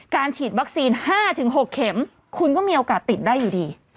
ฉีดวัคซีน๕๖เข็มคุณก็มีโอกาสติดได้อยู่ดี